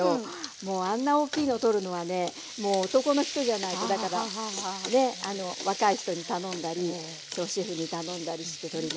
もうあんな大きいのとるのはね男の人じゃないとだからね若い人に頼んだり主人に頼んだりしております。